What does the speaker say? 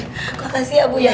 terima kasih ya bu ya